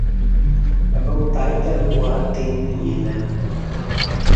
এবং তাই তার উপহার তিনি নিয়ে এলেন।